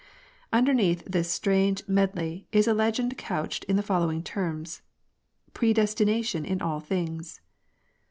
Underneath this strange medley is a legend couched in the following terms :—" Predestination in all things